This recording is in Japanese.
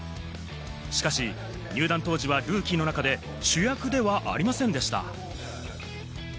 しかし入団当時はルーキーの中で主役ではありませんでした。